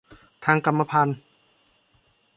ทางกรรมพันธุ์